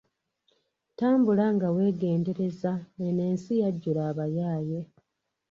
Tambula nga weegendereza eno ensi yajjula abayaaye.